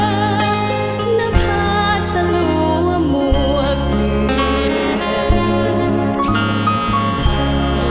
น้ำผ้าสลัวหมวกเหลือ